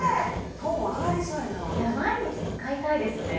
トーン上がりそうやな毎日使いたいですね